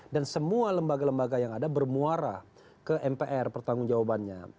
dan semua lembaga lembaga yang ada bermuara ke mpr pertanggung jawabannya